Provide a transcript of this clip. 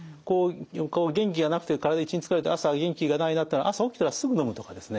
元気がなくて体一日疲れて朝元気がないなってのは朝起きたらすぐのむとかですね。